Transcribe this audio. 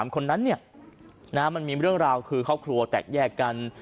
คนนั้นเนี่ยนะฮะมันมีเรื่องราวคือเขาครัวแตกแยกกัน